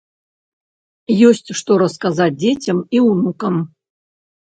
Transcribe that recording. Ёсць што расказаць дзецям і ўнукам.